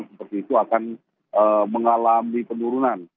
seperti itu akan mengalami penurunan